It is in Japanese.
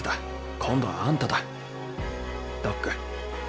今度はあんただドック。